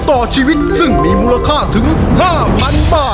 ครอบครัวของแม่ปุ้ยจังหวัดสะแก้วนะครับ